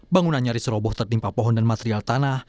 bangunan nyaris roboh tertimpa pohon dan material tanah